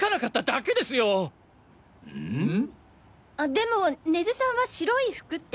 でも根津さんは白い服って。